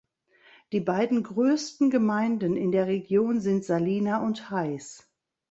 Die beiden größten Gemeinden in der Region sind Salina und Hays.